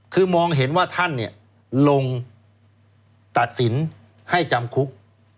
คือมองเห็นว่าท่านลงตัดสินให้จำคุก